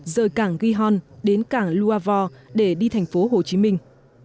rời cảng gihon đến cảng loire vaux để đi thành phố hồ chí minh